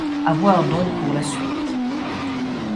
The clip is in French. À voir donc pour la suite...